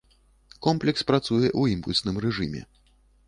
Комплекс працуе ў імпульсным рэжыме.